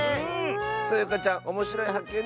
そよかちゃんおもしろいはっけん